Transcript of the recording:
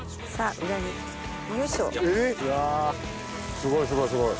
すごいすごいすごい！